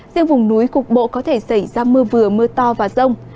riêng vùng núi cục bộ có thể xảy ra mưa vừa mưa to và rông